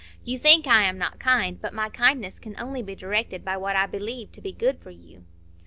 You think I am not kind; but my kindness can only be directed by what I believe to be good for you."